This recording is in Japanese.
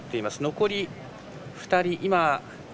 残り２人。